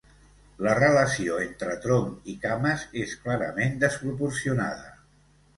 La relació entre tronc i cames és clarament desproporcionada.